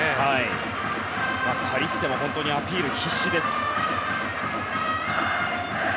カリステもアピール、必死です。